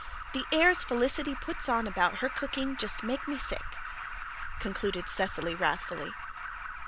The airs Felicity puts on about her cooking just make me sick," concluded Cecily wrathfully.